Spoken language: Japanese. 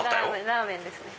ラーメンですね。